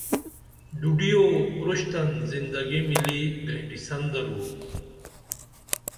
ڈوڈی او اُورشتن زندگی مِلی گرنیٹیسن درو